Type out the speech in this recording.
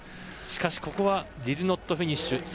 しかし、ここはディドゥノットフィニッシュ。